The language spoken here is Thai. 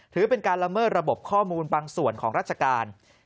ถือเป็นการละเมิดระบบข้อมูลบางส่วนของราชการ